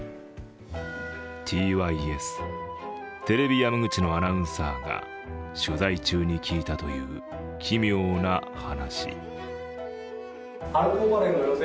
ｔｙｓテレビ山口のアナウンサーが取材中に聞いたという奇妙な話。